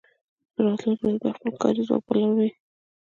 په راتلونکې ورځ بیا خپل کاري ځواک پلوري